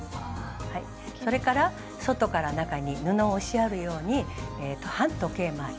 それから外から中に布を押しやるように反時計回り。